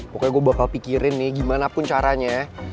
pokoknya gue bakal pikirin nih gimana pun caranya ya